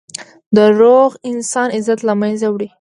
دروغ د انسان عزت له منځه وړي.